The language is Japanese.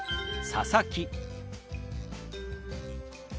「佐々木」。